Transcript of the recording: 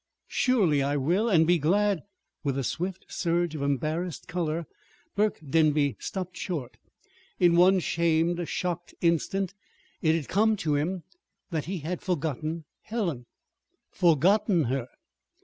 "Surely I will, and be glad " With a swift surge of embarrassed color Burke Denby stopped short. In one shamed, shocked instant it had come to him that he had forgotten Helen forgotten her!